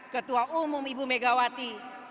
ketua umum ibu megawati